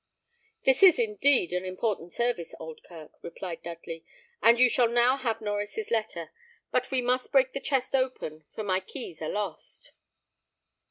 "This, is, indeed, an important service, Oldkirk," replied Dudley; "and you shall now have Norries's letter; but we must break the chest open, for my keys are lost."